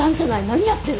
何やってんの？